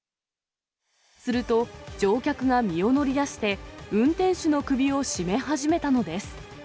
すると、乗客が身を乗り出して、運転手の首を絞め始めたのです。